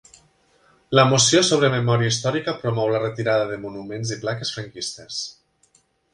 La moció sobre memòria històrica promou la retirada de monuments i plaques franquistes.